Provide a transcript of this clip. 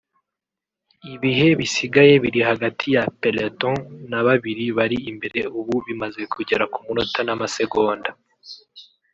Ibihe bisigaye biri hagati ya Peloton na babiri bari imbere ubu bimaze kugera ku munota n’amasegonda